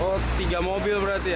oh tiga mobil berarti ya